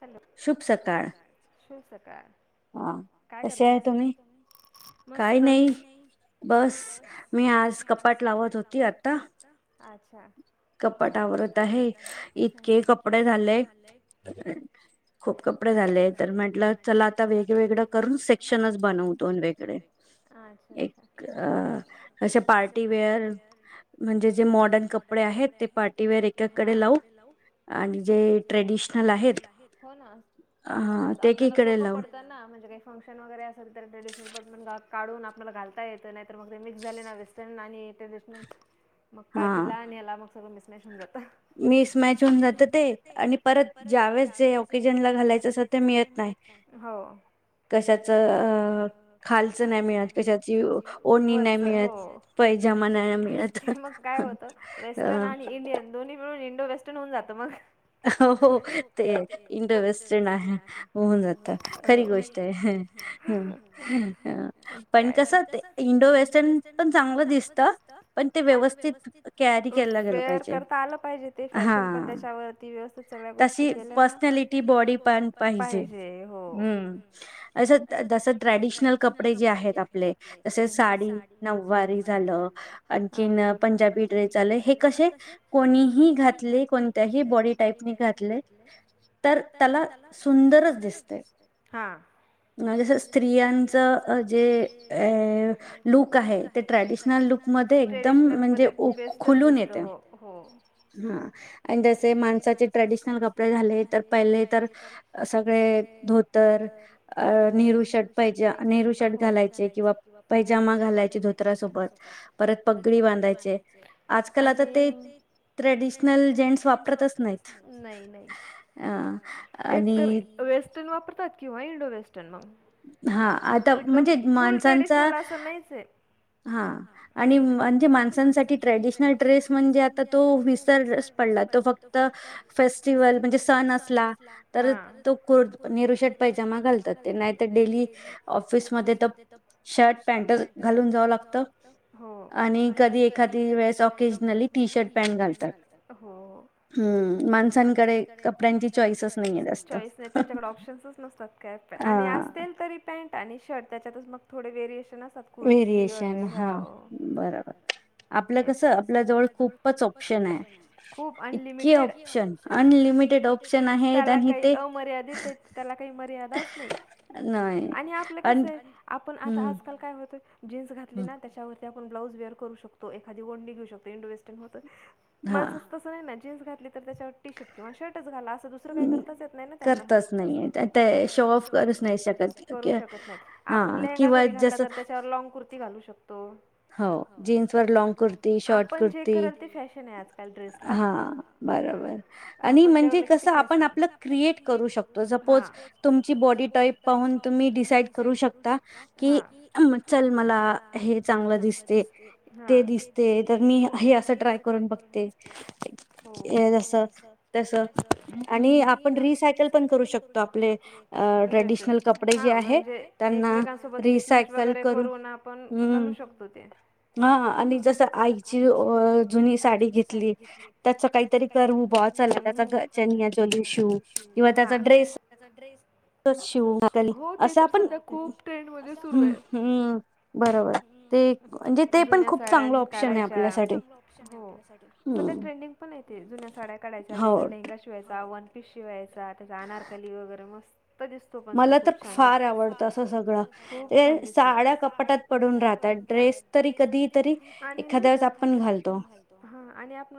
Hello शुभ सकाळ, शुभ सकाळ हा कसे आहे तुम्ही? मस्त नाही काही नाही बस मी आज कपाट लावत होती, आता अच्छा कपाट आवरत आहे इतके कपडे झाले, खूप कपडे झाले तर म्हंटलं चला चला आता वेगवेगळं करून सेक्शनच बनव तोन देते अच्छा अच्छा अशा पार्टीवेअर अं म्हणजे जे मॉडर्न कपडे आहेत ते पार्टीवेअर एकाकडे लाऊ. आणि जे ट्रेडिशनल आहे. हो ना आ आपल्यालाच सोपं पडत. त्यांना म्हणजे काही फंक्शन वगैरे असेल तर ट्रडिशनल बगमगा काढून आपल्याला घालता येतं, नाहीतर मग ते मिक्स झाले ना वेस्टर्न आणि ट्रेडिशनल मग पार्टीला आणि याला मग सगळं मिस मॅच होऊन जातं. मिस मॅच होऊन जात ते, आणि परत जा ज्या वेळेस जे ऑकिजनला घालायचं असतं ते मिळत नाही. हो कशाचं अं खालच नाही मिळत कशाचीई ओढणी नाही मिळत त्या पहिजे आम्हाला, ते मग काय होत वेस्टर्न आणि इंडियन दोन्ही मिळुन इन ते वेस्टन होऊन जातं मग अहहहो- ते इंडॉ वेस्टन आहे होऊन जात खरी गोष्ट आहे. अं पण कस ते इंडो वेस्टर्न पण चांगलं दिसत, पण ते व्यवस्थित कॅरी केला गेलं पाहिजे. हा सगळ्या गोष पर्सनॅलिटी, बॉडीपण पाहिजे. हं असं तसं ट्रॅ डिशनल कपडे जे आहेत आपले जसे साडी, नऊवारी झालं. आणखीन पंजाबी ड्रेस आले. हे कसे कोणीही घातले, कोणत्याही बॉडी टाईपने घातले हा. जस स्त्रियांच जे ये लुक आहे, ते ट्रेडिशनल लुक ट्रेडिशनल मध्ये बेस्टच दिसत हो. हा आणि जसे माणसाचे ट्रॅडिश नल कपडे झाले, तर पहिले तर सगळे धोतर, नेहरू अ शर्ट पायजा नेहरू शर्ट घालायचे, किंवा पायजमा घालायचे धोतरा सोबत परत पगडी पगडी बांधायचे. आजकाल आता ते ट्रेडिशनल जेंट्स वापरतच नाहीत. अ आणि तुम्ही वापरतात, की वो इंडो वेस्टर्न हा एकदम फुल ट्रेडिशनल अस नाहीचयं. हा आणि म्हणजे माणसांसाठी ट्रॅडिशनल ड्रेस म्हणजे आता तो विसर पडला. तो फक्त फेस्टिवल म्हणजे सण असला, तर तो कोर नेहरू शर्ट पैजमा घालतात. नाहीतर, डेली ऑफिसमध्ये तर शर्ट पॅन्टच घालून जा घालून जावं लागत. हो आणि कधी एखादी वेळेस ऑकेजनली टी -शर्ट पॅन्ट घालतात. हो. माणसांकडे, कपड्यांची चॉइसच नाही- चॉईस नाही त्यांच्याकडे ऑप्शनच नसतात काय? आणि असतील तरी, पॅन्ट आणि शर्ट त्याच्यातच मग थोडे वेरिएशन वेरिएशन हा, बरोबर. आपलं कसं आपल्या जवळ खूपच ऑप्शन आहेत, खूप अनलिमि मीटेड अनलिमिटेड आँप्शन त्याला काही अमर्यादित येत, त्याला काही मर्यादाच नाही. आणि आपलं कसय, आपण आता आजकाल काय होत? जीन्स घातली ना त्याच्यावरती आपण, ब्लाउज वेअर करु शकतो, एखादी ओडनी घेऊ शकतो इंडो वेस्टर्न होत. माणसाच तस नाही ना, जीन्स घात त्याच्यावर टी शर्ट किंवा शर्टच घाला, अस दुसरं काही करताच य नाही ना त्यांना, करताच नाही येत [unintelligible] करूच नाही शकत, करू शकत नाहीत आपण लेहंगा जरी घातला तर, त्याच्यावर लाँग कुर्ती घालू शकतो. [inaudible] हो, जीन्स वर लाँग कुर्ती, शॉर्ट कुर्ती, हा बरोबर. बर. आणि म्हणजे कसं आपण आपलं, क्रिएट करू शकतो, सपोज तुमची बॉडी टाईप पाहून तुम्ही मी डिसाईड करू शकता की, चल मला हे चांगलं दिसते ते दिसते तर मी हे असं ट्राय करून बघते. हे जस तस आणि आपण रिसायकल पण करू शकतो, आपले अ [unintelligible] हा म्हणजे एकमेकांसोबत मिसमॅच वगैरे करून आपण घालू शकतो. हा आणि जस आईची अ जुनी साडी घेतली, त्याच काय त्याच काहीतर करून घेवू चणीया चोली सेट किंवा त्याचा ड्रेस असं शिवू हो ते तर, सध्या खूप ट्रेंड मध्ये सुरूय हम. बरोबर जुन्या साड्या काढायच्या, [unintelligible] चांगल आँप्शन आहे सध्या ट्रेंडिंग पण येते जुन्या साड्या काढायच्या, त्याचा लेहंगा शिवायचा आवण शिवायचा त्याचा अनारकली वगैरे मस्त त दिसतो, पण तो खूप छान मला तर फार आवडतो [unintelligible] खूप छान दिसतो, साड्या कपाटात पडू पडून राहतात, ड्रेस तर कधी आणि नाय का? कधी एखाद्या वेळेस घालतो, आणि आपण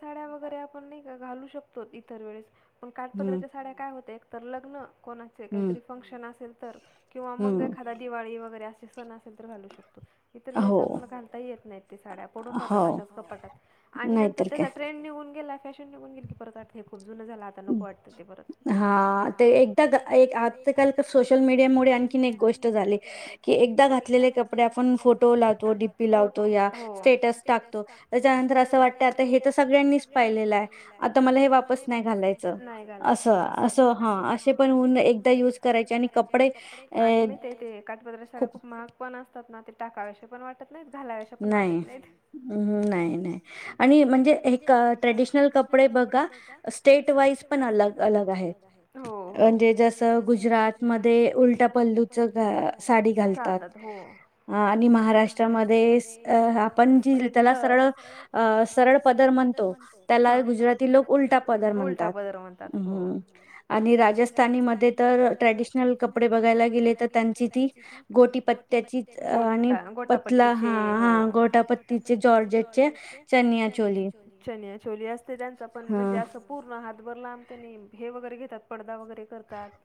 साड्या वगैरे आपण नाही का घालू शकतोत, इतर वेळेस पण काठपद्राच्या साड्या काय होतय तर लग्न कोणाचे, काहीतरी फंक्शन असेल तर, किंवा मग एखादा दिवाळी वगैरे अस सण असेल, तर घालू शकतो. इतर वेळेस आपल्याला घालता येत नाहीत, ते साड्या पडून राहतात अशाच कपाटात आणि नंतर त्याच्या निघून गेला फॅशन निघून परत आणि फेकून जुनं झालं आता नको वाटतं ते परत. हा ते एकदा [unintelligible] ते सोशल [unintelligible] मीडिया. एक गोष्ट झाली की एकदा घातलेले कपडे आपण फोटो लावतो. डी पी लावतो या - - स्टेटस टाकतो त्याच्यानंतर असं वाटतं हे तस सगळ्यांनीच पायलेलाय, आता मला हे वापस नाही घालायच. अस अस हा असे पण होऊन एकदा युज करायचे आणि कपडे अ - - ते ते काटपदर साड्या खूप महाग पण असतात ना ते टाकाव्याशापण वाटत - - नाही्. नाही नाही आणि म्हणजे एक ट्रेडिशनल कपडे बघा स्टेट वाईज पण अलग अलग आहेत. म्हणजे जसं गुजरातमध्ये उलटा पल्लूच साडी घालतात. आणि महाराष्ट्रामध्ये आपण जी त्याला सरळ अ सरळ पदर म्हणतो, त्याला गुजराती लोक उलटा पदर म्हणतात. आणि राजस्थानीमध्ये तर ट्रेडिशनल कपडे बघायला गेले तर त्यांची ती गोटीप - - त्याची आणि पतला हा हा गोटापत्तीचे जॉर्जेटचे चनिया चोली असते त्यांच पण म्हणजे असं पूर्ण हातभर लांब हे वगैरे घेतात. पडदा वगैरे क- -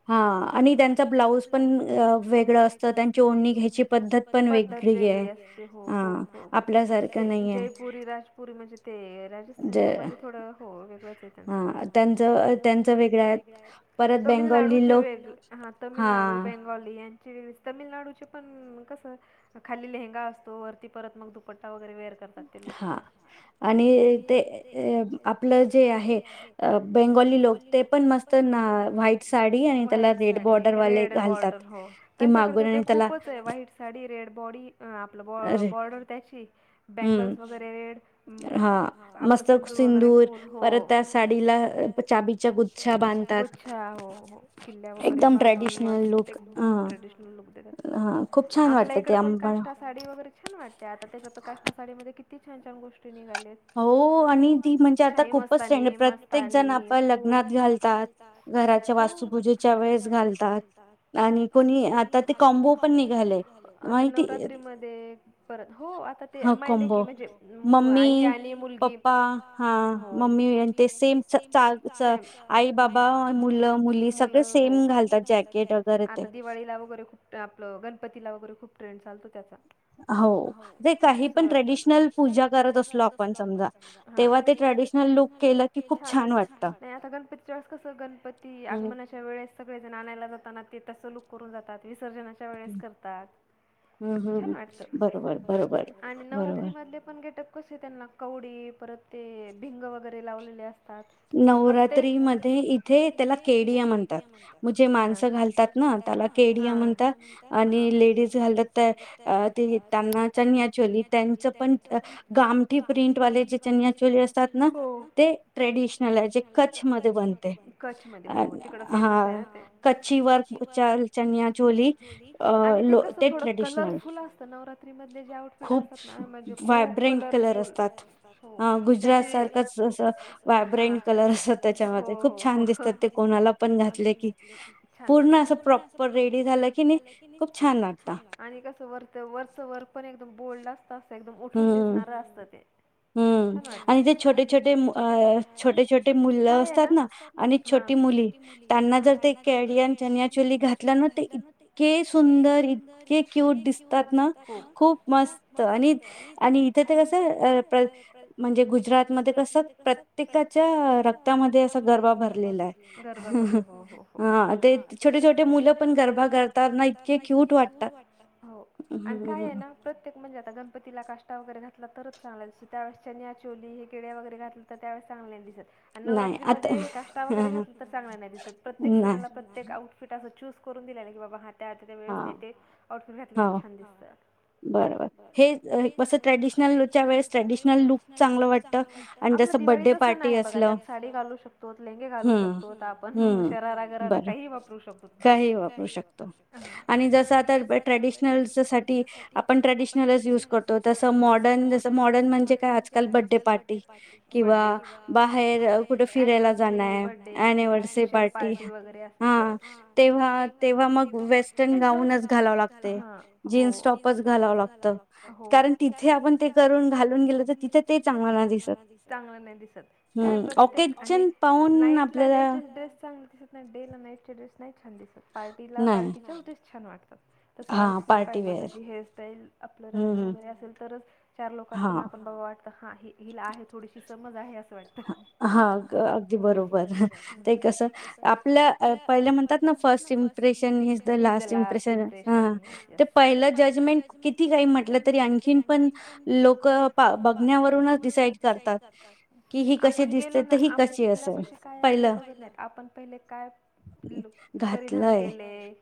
हा आणि त्यांचा ब्लाउज पण वेगळं असत त्यांची ओढणी घ्यायची पद्धत पण वेगळी. ते जयपुरी. पुरी म्हणजे ते राजस्थानी लोकांचे थडं वेगळं तमिनाडूचे वेगळे हा. बेंगॉली हाय तमिळनाडूचे पण कस खाली लेहंगा असतो वरती परत मग दुपट्टा वगैरे वेअर करतात. जात लोक. आणि ते आपलं जे आहे बेंगोली लोक ते पण. मस्त ना व्हाईट साडी आणि त्याला रेड बॉर्डरवाले घालतात त मागून आणि त्याला. वट साडी रेड बॉडी आप बॉर्डर त्याची बँगल् वगैरे परत त्यासाडीला चाबी. च्छ गुच्छा हो हो किल्ल्या वगैरे बांधून मस्त एकदम ट्रेडिशनल लुक देतात. हा खूप छान वाटत ते अंबाडा. साडी वगैरे छान वाटते आता त्याच्यात काष्टा साडी मध्ये किती छान छान गोष्टी. निघाले शाही मस्तनी, मस्तनीआणि घराच्या वास्तुपूजेच्या वेळेस घालतात. आणि कोणी आ ते कॉमबो पण निघाता आता नवरात्री मध्ये परत हो. मायलेकी म्हणजे आई आणि. पप्पा हा मम्मी ते सेम आई, बाबा े घालताते आ दिवाळीला वगैरे खूप आपलं गणपती. गणपतीला वगैर खूप ट्रेड चलतो त्यांचा. हो काही पण ट्रॅडिशनल. पूजा करत असलो आपण समजा तेव्हा ते ट्रॅडिशनल लुक केलं की खूप छान वाटतं. आता गणपतीच्या वळेस कस गणपती आगमनाच्या वेळेत सगळेण आणायला जात तेक करून जातात. विसर्जनाच्या वेळेस करतात छान वाटतं. नवरात्री मधले पण गेटप कसे त्यांना कवडी परत ते भिंग वगैरे लावलेले असते. नवरात्री मध्ये इथे त्याला केडिया म्हणतात म्हणे माणसं घालतात ना. हा त्याला केडिया म्हणतात. आणि लेडीज जे घालतात त्यांना चनिया चोली म्हणतात आणि त्यांच. पण गामठी प्रिंट वाले जे चन चोले असतात ना ते ट्रॅडिशनल कच मध्ये तिकड फेमस आहे ते. चनिया चोली आणि ते कसं थोडं कलरफुल असतं नवरात्री मधले जे आउटफिट असतात. नाही माझ्या. व्हायब्रंट कलर असतात गुजरात सारखंच अस हा ग्रेंट कलर हो हो हो दिसतात ते कोणाला पण घातले की छान दिसतात े व एकम बोलड असत असतं एकदम उठून दिसणार असतं ते हम्म आणि ते छोटे छोटे छोटे छोटे मुललं असतात ना आणि छोटी मुली त्यांना जर ते केडिन चन चली घातला ना ते इतके सुंदर इतके क्यूट दिसतात ना खूप मस्त आणि आणि इथे तर कस म्हणजे गुजरातमध्ये कस प्रत्येकाच्या रक्तामध्ये अस गर भरलेला छोटे छोट मु पण ग काय प्रते म्हणजे आ पतीला काष्टा वगैरे घातला तरच चांगला दिसत त्यावेळेच्या चन्या चोली हे कड वगैरे घातलं तर त्यावेळेस चांगला नाही दिसत आणि नवरात्री मध्ये हे काष्टा वगैरे घातलं तर चांगला नाही दिसत प्रत्येक सणाला प्रत्येक आउटफिट असत चूज करून दिला की बाबा हात त्या आता त्या वेळेस तेथ आउफट घातलं की छान दिसतात बर हे कसं ट्रेडिशनल लकच्या वेळेस ट्रेडिशनल लुक चांगलं म्हणत आपलं दिवाळीचा सण आहे बघा त्या साडी घालू शकतो लेंगे घालू शकतो आपण शरारा गरारा काही वापरू शकतो रू शकतो. आणि जसं आता ट्रेडिशनलसाठी आपण ट्रेडिशनलचं युज - - [unintelligible] तसं मॉर्डन जसं मॉर्डन म्हणजे काय आजकाल बड्डेपार्टी किंवा बा हेर कुठ फिरायला चालायं. अनिवर्सरी पार्टी हा तेव्हा तेव्हा मग वेस्टर्न गाऊनच घालाव लागतयं. जीन्स टॉपच घालावं लागत. हो कारण तिथे आपण ते करून घालून गेल तर तिथे ते चांगल दिसत. चांगलं नाही दिसत काय प्रत्येक नाईटला डेचे ड्रेस चांगले नाही दिसत. डेला नाईटचे ड्रेस - - नाही छान दिसत. पार्टीला पार्टीचा [unintelligible] छान वाटतो. तसं आउटफिट पाहिजे, तशी हेअरस्टाईल आपलं राहणं वगैरे असेल तरच चार लोकांना पण आपण बाबा वाटतं, हा ह- हिला आहे थोडीशी समज आहे असं वाटत. हा, अगदी बरोबर ते कसं आपल्या पहिले म्हणतात ना first impression is the last impression हा ते पहिलं जजमेंट किती? किती काही म्हटलं तर, आणखी पण लोक पा -बघण्या वरूनचं डिसाइट करतात. कि हि आपण गेलो ना, [unintelligible] पशी काय आहे हे बघत नाहीत, आपण पहिले काय परिधान केलेय,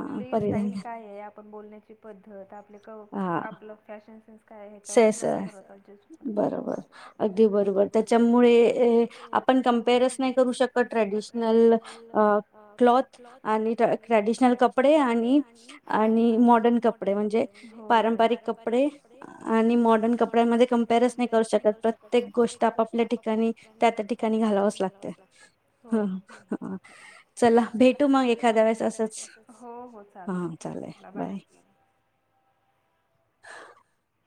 आपली स्टाईल काय आहे आपण बोलण्याची पद्धत आप आप -आपल फॅशन सेनस काय आहे? ह्याच्यावर लोक ठरवतात जज करतात. त्यामुळे आपण कमपेरस नाही करू शकत, ट्रेडिशनल अ क्लॉथ आणि ट्रॅडिशनल कपडे, आणि आणि मॉडर्न कपडे म्हणजे पारंपरिक कपडे आणि मॉडर्न कपड्यांमध्ये कंपॅरिज नाही करू शकत, प्रत्येक गोष्ट आपण ल्या ठिकाणी त्या त्या ठिकाणी घालावच लागतय, चला चला भेटू मग एखाद्या वेळेस, असं हो हो चालतय चला बाय! [inaudible] [unintelligible]